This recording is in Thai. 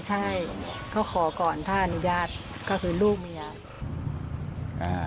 ใช่ก็ขอก่อนถ้าอนุญาตก็คือลูกเมียอ่า